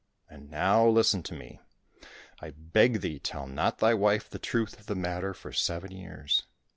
And now, listen to me ! I beg thee tell not thy wife the truth of the matter for seven years.